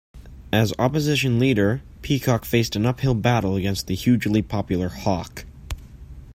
As Opposition Leader, Peacock faced an uphill battle against the hugely popular Hawke.